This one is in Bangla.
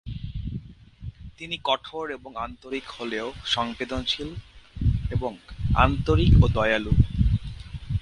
তিনি কঠোর এবং আন্তরিক হলেও সংবেদনশীল এবং আন্তরিক ও দয়ালু।